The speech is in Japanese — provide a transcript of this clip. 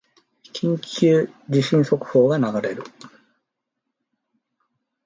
緊急地震速報が流れる